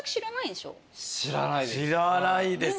知らないです。